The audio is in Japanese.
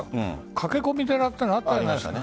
駆け込み寺があったじゃないですか。